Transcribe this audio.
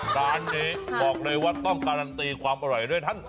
ร้านนี้บอกเลยว่าต้องการันตีความอร่อยด้วยท่าน